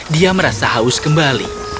dia merasa haus kembali